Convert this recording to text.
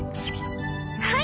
はい！